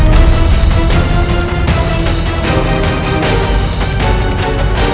memantulkan santan kerubuk ini